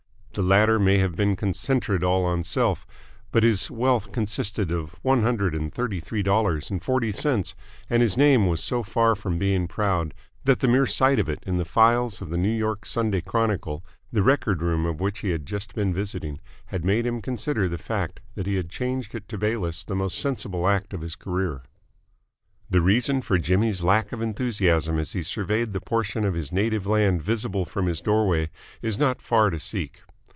The latter may have been "concentred all on self," but his wealth consisted of one hundred and thirty three dollars and forty cents and his name was so far from being proud that the mere sight of it in the files of the New York Sunday Chronicle, the record room of which he had just been visiting, had made him consider the fact that he had changed it to Bayliss the most sensible act of his career. The reason for Jimmy's lack of enthusiasm as he surveyed the portion of his native land visible from his doorway is not far to seek.